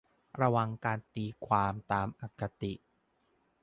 ระวังการตีความตามอคติ